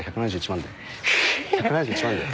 １７１万だよ。